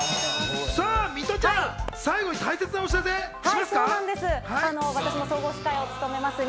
ミトちゃん、最後に大切なお知らせしますか。